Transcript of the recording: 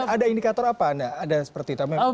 ada indikator apa anda seperti itu